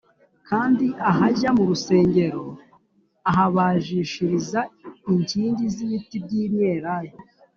Kandi ahajya mu rusengero ahabajishiriza inkingi z’ibiti by’imyelayo